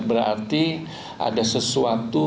berarti ada sesuatu